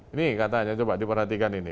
ini katanya coba diperhatikan ini